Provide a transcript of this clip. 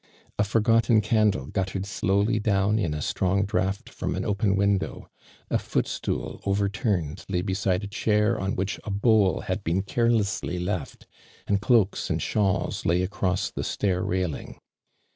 A forgotten candle guttered slowly down in a strong draught from an open win <low — a foot stool, overturned, lay beside a cliair on which a bowl had been carelessly left, and cloaks and shawls lay across the Htair railing.